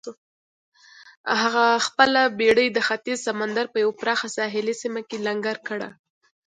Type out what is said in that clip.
هغه خپله بېړۍ د ختیځ سمندر په یوه پراخه ساحلي سیمه کې لنګر کړه.